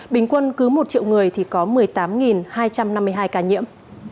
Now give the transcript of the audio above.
bình quân cứ một triệu người thì có một mươi tám hai trăm năm mươi hai ca nhiễm